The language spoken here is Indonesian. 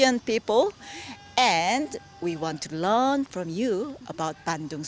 dan ingin belajar dari anda tentang sejarah bandung